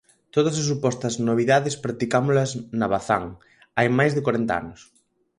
Todas as supostas novidades practicámolas na Bazán hai máis de corenta anos.